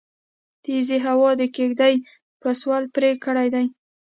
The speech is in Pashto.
تيزې هوا د کيږدۍ پسول پرې کړی دی